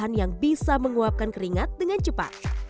makan yang bisa menguapkan keringat dengan cepat